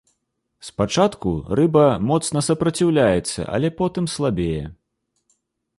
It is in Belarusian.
Спачатку рыба моцна супраціўляецца, але потым слабее.